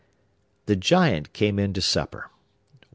The Giant came in to supper.